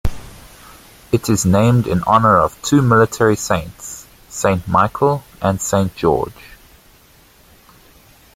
It is named in honour of two military saints, Saint Michael and Saint George.